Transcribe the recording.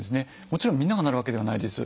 もちろんみんながなるわけではないです。